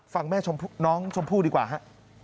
ฟังแม่น้องชมพู่ดีกว่าฮะ